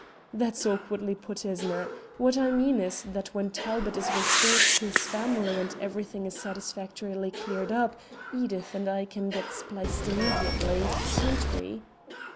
That's awkwardly put, isn't it? What I mean is that when Talbot is restored to his family and everything is satisfactorily cleared up, Edith and I can get spliced immediately, can't we?"